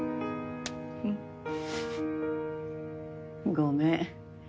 ごめん。